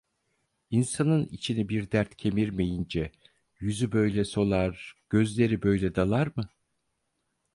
İnsanın içini bir dert kemirmeyince yüzü böyle solar, gözleri böyle dalar mı?